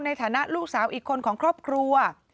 ในฐานะลูกสาวอีกคนของครอบครัว